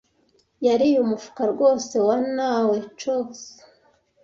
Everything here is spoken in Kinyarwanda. yariye umufuka wose wa nawechos.